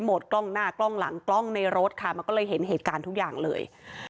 กล้องหน้ากล้องหลังกล้องในรถค่ะมันก็เลยเห็นเหตุการณ์ทุกอย่างเลย